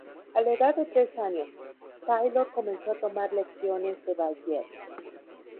A la edad de tres años, Taylor comenzó a tomar lecciones de ballet.